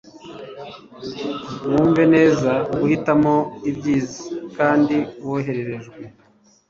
wumve neza guhitamo ibyiza kandi woherejwe